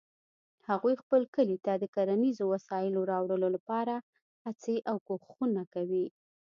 هغوی خپل کلي ته د کرنیزو وسایلو راوړلو لپاره هڅې او کوښښونه کوي